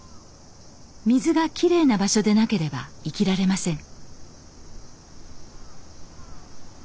水がきれいな場所でなければ生きられません。